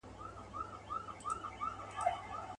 چي مي ستونی په دعا وو ستړی کړی.